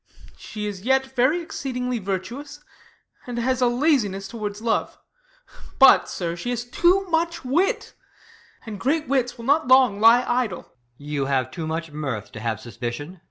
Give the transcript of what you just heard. She is yet very exceedingly virtuous. And has a laziness towards love : but, sir, She has too much wit, and great wits will not long 134 THE LAW AGAINST LOVERS. Lye idle. EscH. You have too much mirth to have sus picion. Ben.